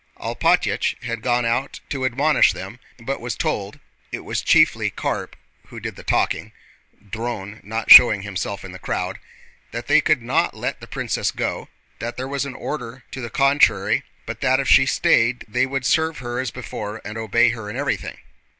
Alpátych had gone out to admonish them, but was told (it was chiefly Karp who did the talking, Dron not showing himself in the crowd) that they could not let the princess go, that there was an order to the contrary, but that if she stayed they would serve her as before and obey her in everything.